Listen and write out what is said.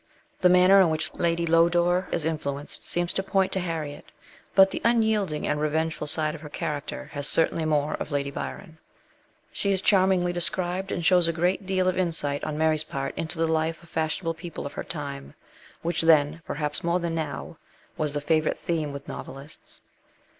The manner in which Lady Lodore is influenced seems to point to Harriet ; but the unyielding and revengeful side of her character has certainly more of Lady Byron. She is charmingly described, and shows a great deal of insight on Mary's part into the life of fashionable people of her time, which then, perhaps more than now, was the favourite theme with novelists.